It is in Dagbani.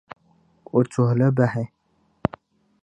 O tuhi li bahi.